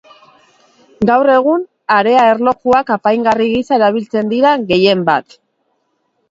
Gaur egun, harea-erlojuak apaingarri gisa erabiltzen dira gehien bat.